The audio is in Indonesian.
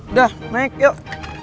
udah naik yuk